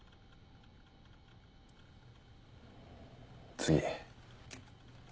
次。